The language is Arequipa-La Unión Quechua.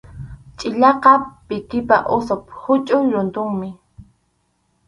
Chʼiyaqa pikipa usap huchʼuy runtunmi.